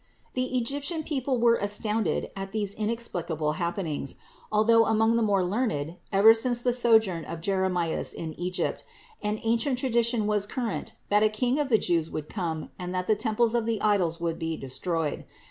644. The Egyptian people were astounded at these inexplicable happenings; although among the more learned, ever since the sojourn of Jeremias in Egypt, an ancient tradition was current that a King of the Jews would come and that the temples of the idols would be destroyed.